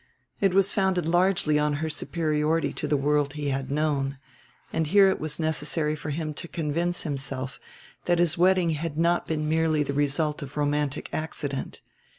It was founded largely on her superiority to the world he had known; and here it was necessary for him to convince himself that his wedding had not been merely the result of romantic accident.